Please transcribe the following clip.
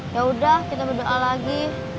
ya udah kita berdoa lagi